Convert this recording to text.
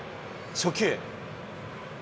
初球。